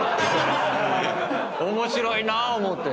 面白いなぁ思うて。